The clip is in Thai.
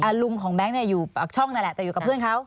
ลุงของแบงค์เนี่ยอยู่ปากช่องนั่นแหละแต่อยู่กับเพื่อนเขา